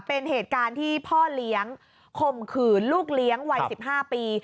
เป็นเหตุการณ์ที่พ่อเลี้ยงข่มขืนลูกเลี้ยงวัย๑๕ปี